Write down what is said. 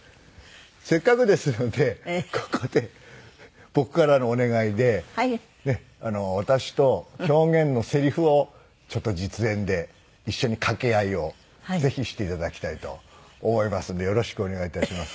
せっかくですのでここで僕からのお願いで私と狂言のセリフをちょっと実演で一緒に掛け合いをぜひして頂きたいと思いますのでよろしくお願い致します。